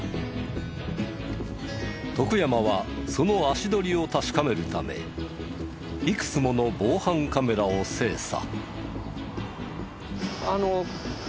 徳山はその足取りを確かめるためいくつもの防犯カメラを精査。